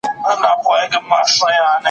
ځه راځه سره پخلا سو په زمان اعتبار نسته